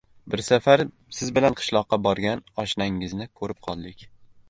Bir safar siz bilan qishloqqa borgan oshnangizni qo‘rib qoldik.